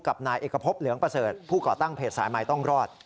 นายเอกพบเหลืองประเสริฐผู้ก่อตั้งเพจสายใหม่ต้องรอด